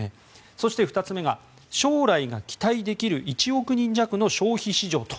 そして２つ目が将来が期待できる１億人弱の消費市場と。